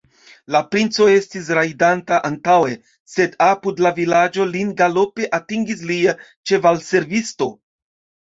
La princo estis rajdanta antaŭe, sed apud la vilaĝo lin galope atingis lia ĉevalservisto.